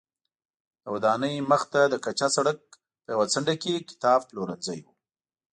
د ودانۍ مخې ته د کچه سړک په یوه څنډه کې کتابپلورځی و.